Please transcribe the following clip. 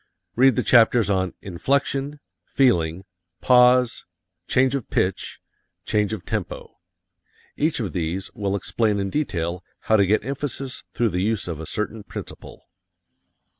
Read the chapters on "Inflection," "Feeling," "Pause," "Change of Pitch," "Change of Tempo." Each of these will explain in detail how to get emphasis through the use of a certain principle.